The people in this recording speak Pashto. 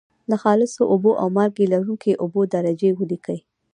د خالصو اوبو او مالګې لرونکي اوبو درجې ولیکئ.